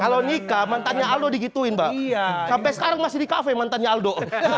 kalau nikah mantannya alu digituin bahwa iya sampai sekarang masih di cafe mantannya aldo